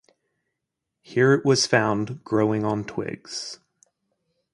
Here it was found growing on twigs.